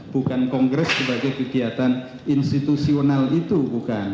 bukan kongres sebagai kegiatan institusional itu bukan